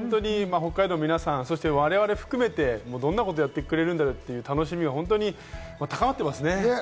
北海道の皆さん、我々を含めてどんなことをやってくれるんだろうという楽しみが高まっていますね。